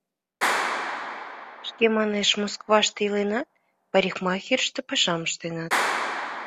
Шке, манеш, Москваште иленат, парикмахерыште пашам ыштенат.